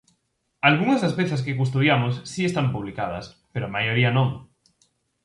Algunhas das pezas que custodiamos si están publicadas, pero a maioría non.